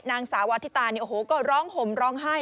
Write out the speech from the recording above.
นางสาวาธิตาเนี่ยโอ้โหก็ร้องห่มร้องไห้